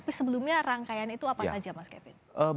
tapi sebelumnya rangkaian itu apa saja mas kevin